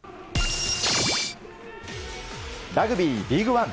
ラグビー、リーグワン。